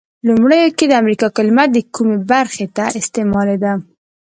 لومړیو کې د امریکا کلمه د کومې برخې ته استعمالیده؟